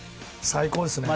最高ですね